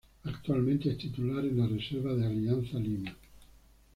Actualmente es titular en la reserva de Alianza Lima.